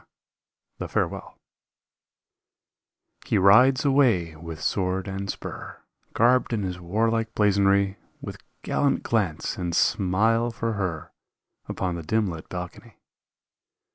153 THE FAREWELL He rides away with sword and spur, Garbed in his warlike blazonry, With gallant glance and smile for her Upon the dim lit balcony.